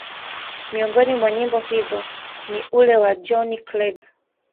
miongoni mwa nyimbo hizo ni ule wa Johnny Clegg